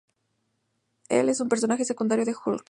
Él es un personaje secundario de Hulk.